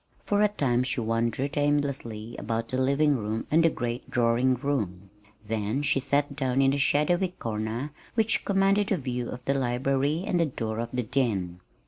For a time she wandered aimlessly about the living room and the great drawing room; then she sat down in a shadowy corner which commanded a view of the library and of the door of the den.